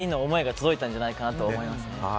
本当に全員の思いが届いたんじゃないかと思います。